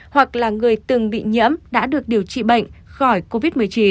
hoặc là người từng bị nhiễm đã được điều trị bệnh khỏi covid một mươi chín